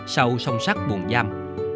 sau sông sắc buồn giam